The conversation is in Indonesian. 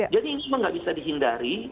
jadi ini memang nggak bisa dihindari